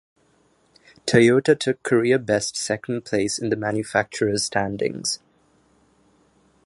Toyota took career-best second place in the manufacturers' standings.